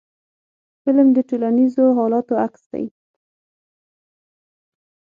فلم د ټولنیزو حالاتو عکس دی